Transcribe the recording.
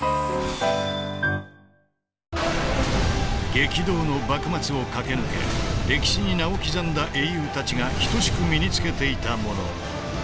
激動の幕末を駆け抜け歴史に名を刻んだ英雄たちが等しく身につけていたもの。